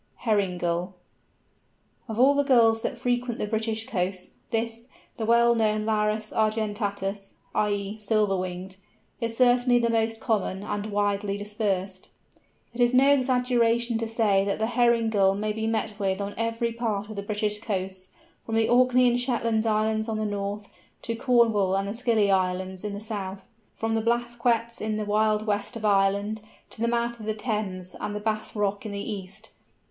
HERRING GULL. Of all the gulls that frequent the British coasts, this, the well known Larus argentatus (i.e. "silver winged"), is certainly the most common and widely dispersed. It is no exaggeration to say that the Herring Gull may be met with on every part of the British coasts, from the Orkney and Shetland Islands on the north, to Cornwall and the Scilly Islands in the south; from the Blasquets in the wild west of Ireland, to the mouth of the Thames and the Bass Rock in the east.